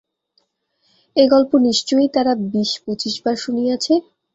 এ গল্প নিশ্চয় তারা বিশ পঁচিশ বার শুনিয়াছে।